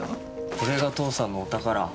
これが父さんのお宝。